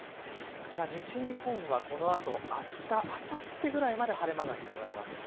西日本はこの後、あしたあさってくらいまで晴れ間が広がります。